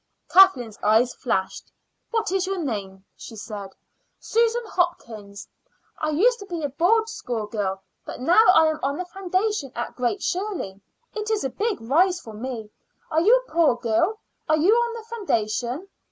Kathleen's eyes flashed. "What is your name?" she asked. "Susan Hopkins. I used to be a Board School girl, but now I am on the foundation at Great Shirley. It is a big rise for me. Are you a poor girl? Are you on the foundation?"